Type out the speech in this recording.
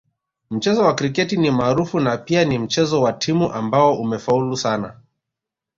Mchezo wa kriketi ni maarufu na pia ni mchezo wa timu ambao umefaulu sana